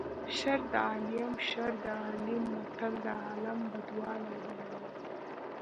شر د عالیم شر د عالیم متل د عالم بدوالی بیانوي